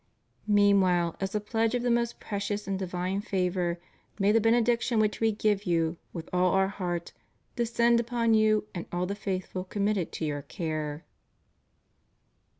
Meanwhile as a pledge of the most precious and divine favor may the benediction which We give you with all Our heart, descend upon you and all the faithful com mitted to your care.